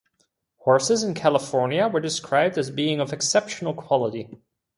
Horses in California were described as being of exceptional quality.